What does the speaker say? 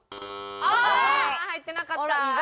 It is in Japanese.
入ってなかった。